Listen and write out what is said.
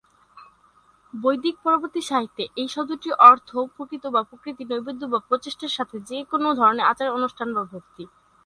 বৈদিক পরবর্তী সাহিত্যে, এই শব্দটির অর্থ প্রকৃত বা প্রতীকী নৈবেদ্য বা প্রচেষ্টার সাথে যে কোনো ধরনের আচার, অনুষ্ঠান বা ভক্তি।